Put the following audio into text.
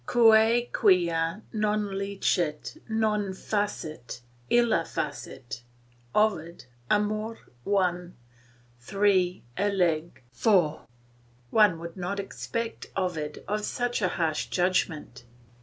"Quae quia non liceat non facit, illa facit." OVID, Amor. I. iii. eleg. iv. One would not suspect Ovid of such a harsh judgment.